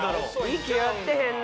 息合ってへんな